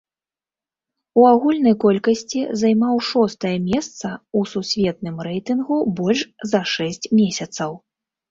У агульнай колькасці займаў шостае месца ў сусветным рэйтынгу больш за шэсць месяцаў.